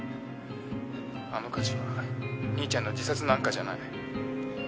「あの火事は兄ちゃんの自殺なんかじゃない」